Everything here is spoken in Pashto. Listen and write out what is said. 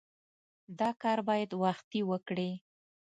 دا کار باید وختي وکړې.